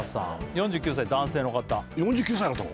４９歳男性の方４９歳だったの？